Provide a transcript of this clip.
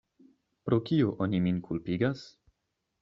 Pro kio oni min kulpigas?